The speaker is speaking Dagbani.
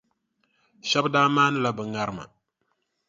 Shɛba daa maanila bɛ ŋarima.